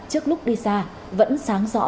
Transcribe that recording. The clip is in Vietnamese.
trước lúc đi xa vẫn sáng rõ